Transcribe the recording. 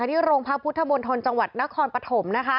ที่รงพระพุทธมนธลจังหวัดนครปฐม